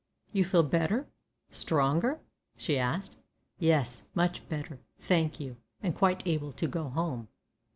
"You feel better stronger?" she asked. "Yes, much better thank you, and quite able to go home."